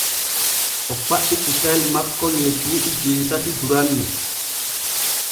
O faɗɗi cukayel makko ŋe duuɓi jeetati duranne.